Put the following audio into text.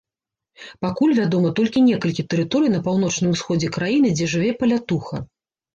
Пакуль вядома толькі некалькі тэрыторый на паўночным усходзе краіны, дзе жыве палятуха.